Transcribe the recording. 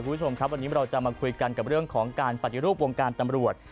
คุณผู้ชมครับวันนี้เราจะมาคุยกันกับเรื่องของการปฏิรูปวงการตำรวจ